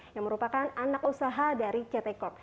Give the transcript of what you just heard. yang merupakan anak usaha dari ct corp